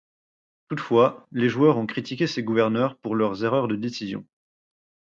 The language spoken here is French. Toutefois, les joueurs ont critiqué ces gouverneurs pour leurs erreurs de décision.